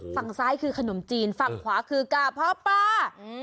ฝั่งซ้ายคือขนมจีนฝั่งขวาคือกะเพาะปลา